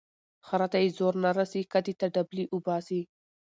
ـ خره ته يې زور نه رسي کتې ته ډبلي اوباسي.